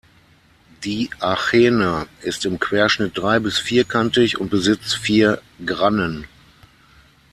Die Achäne ist im Querschnitt drei- bis vierkantig und besitzt vier Grannen.